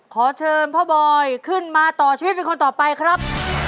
ขอเชิญพ่อบอยขึ้นมาต่อชีวิตเป็นคนต่อไปครับ